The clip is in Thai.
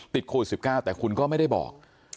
ติดโควิด๑๙แต่คุณก็ไม่ได้บอก